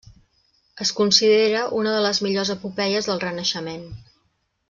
Es considera una de les millors epopeies del Renaixement.